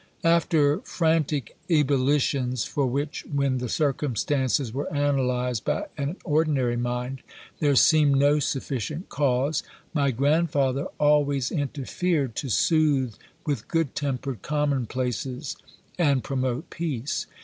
After frantic ebullitions, for which, when the circumstances were analysed by an ordinary mind, there seemed no sufficient cause, my grandfather always interfered to soothe with good tempered commonplaces, and promote peace.